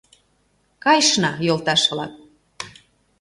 — Кайышна, йолташ-влак!